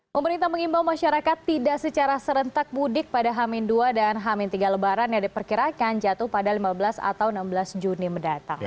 pemerintah mengimbau masyarakat tidak secara serentak mudik pada hamin dua dan hamin tiga lebaran yang diperkirakan jatuh pada lima belas atau enam belas juni mendatang